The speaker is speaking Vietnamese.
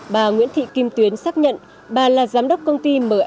bà nguyễn thị kim tuyến xác nhận bà là giám đốc công ty ms